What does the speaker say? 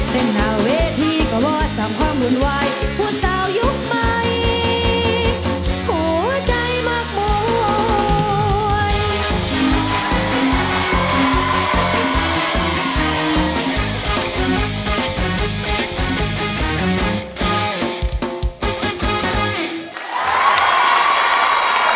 เป็นหน้าเวที่ก็บอสทำความหุ่นวายผู้สาวยุคใหม่หัวใจบักหม่อน